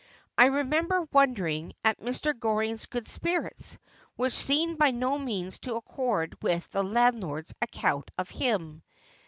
I remember wondering at Mr. Goring's good spirits, which seemed by no means to accord with the landlord's account of him.